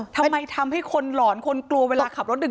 ทำให้คนหลอนคนกลัวเวลาขับรถดึ